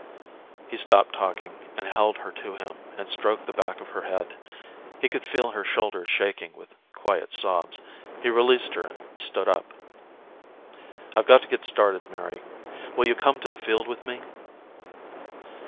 He stopped talking and held her to him and stroked the back of her head. He could feel her shoulders shaking with quiet sobs. He released her and stood up. "I've got to get started, Mary. Will you come to the field with me?"